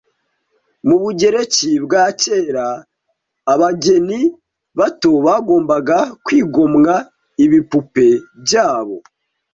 Mu Bugereki bwa kera abageni bato bagombaga kwigomwa Ibipupe byabo